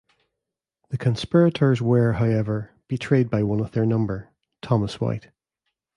The conspirators were, however, betrayed by one of their number, Thomas Whyte.